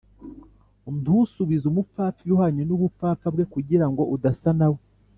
ntusubize umupfapfa ibihwanye n’ubupfapfa bwe, kugira ngo udasa na we